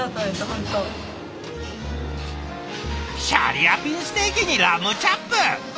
シャリアピンステーキにラムチャップ！